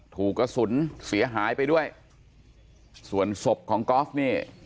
ถูกกระสุนเสียหายไปด้วยส่วนศพของกอล์ฟนี่